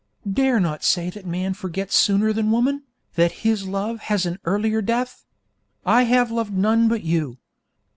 Dare not say that man forgets sooner than woman, that his love has an earlier death. I have loved none but you.